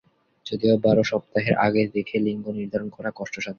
যদিও বারো সপ্তাহের আগে দেখে লিঙ্গ নির্ধারণ করা কষ্টসাধ্য।